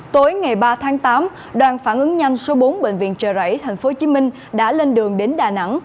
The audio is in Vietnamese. tối ngày ba tháng tám đoàn phản ứng nhanh số bốn bệnh viện trợ rẫy tp hcm đã lên đường đến đà nẵng